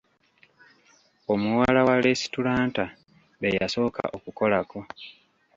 Omuwala wa lesitulanta be yasooka okukolako.